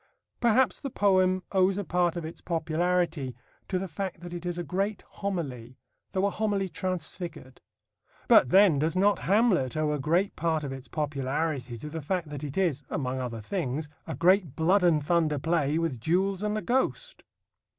Perhaps the poem owes a part of its popularity to the fact that it is a great homily, though a homily transfigured. But then does not Hamlet owe a great part of its popularity to the fact that it is (among other things) a great blood and thunder play with duels and a ghost?